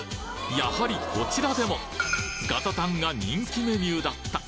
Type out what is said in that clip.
やはりこちらでもガタタンが人気メニューだった